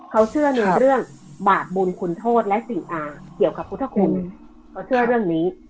เขาเชื่อในเรื่องบาปบุญคุณโทษและสิ่งเกี่ยวกับพุทธคุณเขาเชื่อเรื่องนี้